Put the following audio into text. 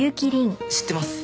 知ってます。